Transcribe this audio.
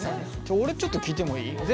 俺ちょっと聞いてもいい？